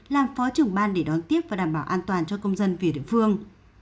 làm phó trưởng ban để đón tiếp và đảm bảo an toàn cho công dân về địa phương